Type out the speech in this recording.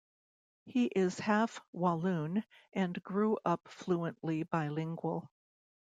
He is half-Walloon, and grew up fluently bilingual.